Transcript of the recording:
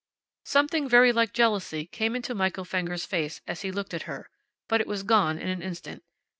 Something very like jealousy came into Michael Fenger's face as he looked at her. But it was gone in an instant.